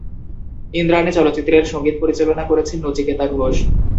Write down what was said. ইন্দ্রাণী চলচ্চিত্রের সঙ্গীত পরিচালনা করেছেন নচিকেতা ঘোষ।